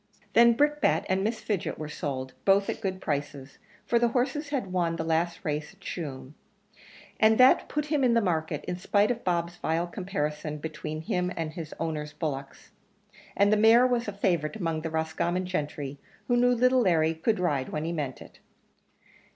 Then Brickbat and Miss Fidget were sold, both at good prices; for the horse had won the last race at Tuam, and that put him up in the market, in spite of Bob's vile comparison between him and his owner's bullocks; and the mare was a favourite among the Roscommon gentry, who knew little Larry could ride when he meant it.